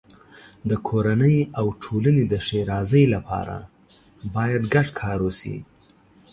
د کورنۍ او ټولنې د ښېرازۍ لپاره باید ګډ کار وشي.